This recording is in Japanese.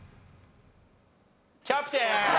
キャプテン。